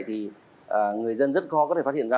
thì người dân rất khó có thể phát hiện ra